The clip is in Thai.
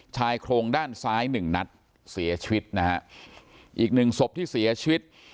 ชายโครงด้านซ้ายหนึ่งนัดเสียชีวิตนะฮะอีกหนึ่งศพที่เสียชีวิต